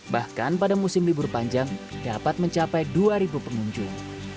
bahkan pada musim libur panjang dapat mencapai dua pengunjung